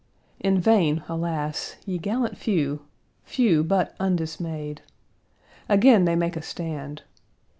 In vain, alas! ye gallant few few, but undismayed. Again, they make a stand.